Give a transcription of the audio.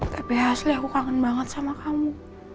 tapi asli aku kangen banget sama kamu